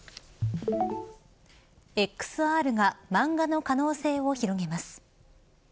ＸＲが漫画の可能性を広げます。